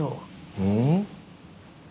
うん？